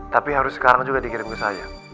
tapi harus sekarang juga dikirim ke saya